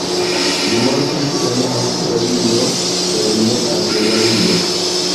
Li mortis la en Aŭstralio en Adelajdo.